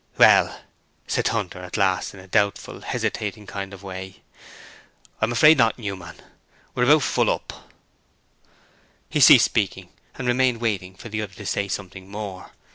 'Well,' Hunter said at last in a doubtful, hesitating kind of way, 'I'm afraid not, Newman. We're about full up.' He ceased speaking and remained waiting for the other to say something more.